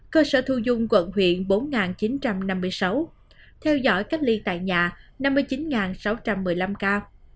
cơ sở thu dung quận huyện bốn chín trăm năm mươi sáu theo dõi cách ly tại nhà năm mươi chín sáu trăm một mươi năm ca